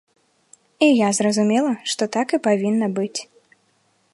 І я зразумела, што так і павінна быць.